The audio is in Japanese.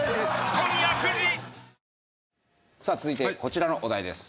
さあ続いてこちらのお題です。